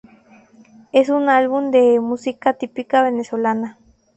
Es un álbum de música típica venezolana.